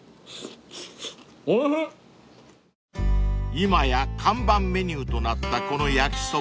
［今や看板メニューとなったこの焼きそば］